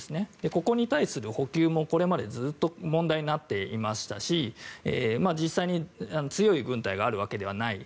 ここに対する補給もこれまでずっと問題になっていましたし実際に強い軍隊があるわけではない。